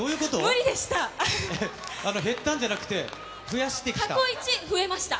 減ったんじゃなくて、増やしてきた？